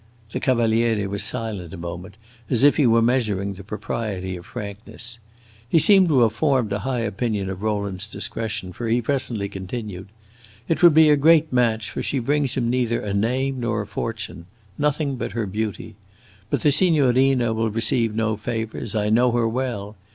The Cavaliere was silent a moment, as if he were measuring the propriety of frankness. He seemed to have formed a high opinion of Rowland's discretion, for he presently continued: "It would be a great match, for she brings him neither a name nor a fortune nothing but her beauty. But the signorina will receive no favors; I know her well!